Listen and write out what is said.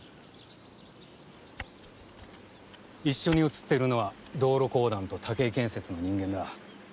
一緒に写ってるのは道路公団と岳井建設の人間だ。